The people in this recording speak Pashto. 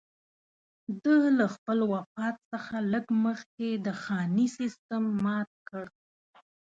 ده له خپل وفات څخه لږ مخکې د خاني سېسټم مات کړ.